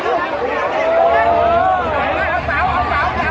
ก็ไม่มีเวลาให้กลับมาเท่าไหร่